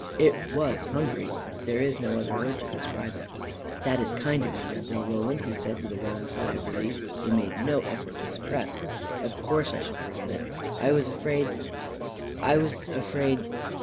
It was hungry — there is no other word to describe it " That is kind of you, Mile. Roland," he said, with a long sigh of relief he made no effort to sup* press. " Of course I shall forget it. I was afraid — I was afraid